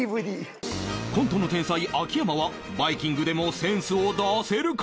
コントの天才秋山はバイキングでもセンスを出せるか？